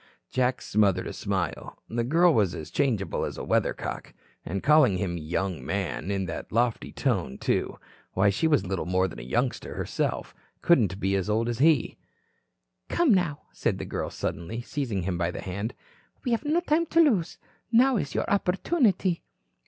Jack smothered a smile. The girl was as changeable as a weathercock. And calling him "young man" in that lofty tone, too. Why, she was little more than a youngster herself couldn't be as old as he. "Come now," said the girl suddenly, seizing him by the hand. "We have no time to lose. Now is your opportunity."